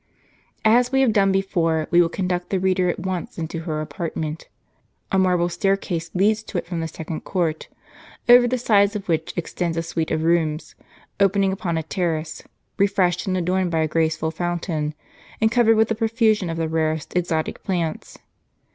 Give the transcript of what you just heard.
* As we have done before, we will conduct the reader at once into her apartment. A marble staircase leads to it from the second court, over the sides of w^hich extends a suite of rooms, opening upon a terrace, refreshed and adorned by a graceful fountain, and covered with a profusion of the rarest exotic plants.